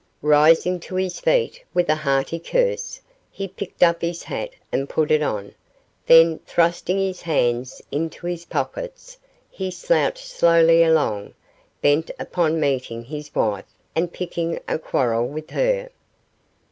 Rising to his feet, with a hearty curse, he picked up his hat and put it on; then, thrusting his hands into his pockets, he slouched slowly along, bent upon meeting his wife and picking a quarrel with her.